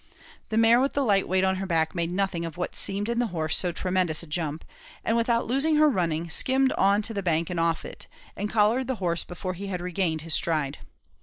The mare with the light weight on her back made nothing of what seemed in the horse so tremendous a jump, and without losing her running, skimmed on to the bank and off it, and collared the horse before he had regained his stride.